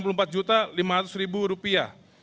perunggu sembilan puluh empat lima ratus rupiah